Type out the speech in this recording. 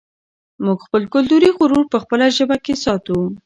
موږ خپل کلتوري غرور په خپله ژبه کې ساتو.